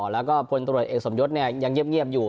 แล้วก็พลตรวจเอกสมยศยังเงียบอยู่